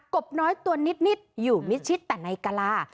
บน้อยตัวนิดอยู่มิดชิดแต่ในกะลา